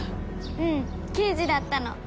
うん刑事だったの。